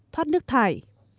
thoát nước thải